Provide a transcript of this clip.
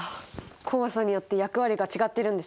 酵素によって役割が違ってるんですね。